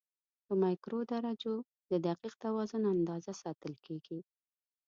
په مایکرو درجو د دقیق توازن اندازه ساتل کېږي.